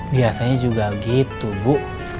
biasanya juga gitu bu